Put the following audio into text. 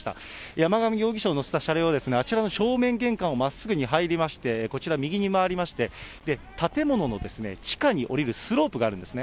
山上容疑者を乗せた車両ですけれども、あちらの正面玄関をまっすぐに入りまして、こちら、右に回りまして、建物の地下に下りるスロープがあるんですね。